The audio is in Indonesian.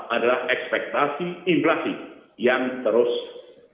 adalah ekspektasi inflasi yang terus